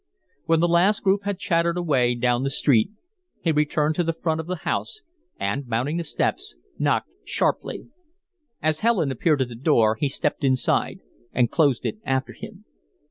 When the last group had chattered away down the street, he returned to the front of the house and, mounting the steps, knocked sharply. As Helen appeared at the door, he stepped inside and closed it after him.